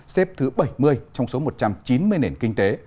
xếp thứ bảy mươi trong số một trăm chín mươi nền kinh tế